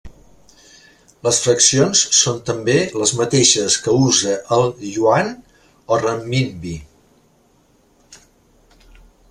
Les fraccions són també les mateixes que usa el iuan o renminbi.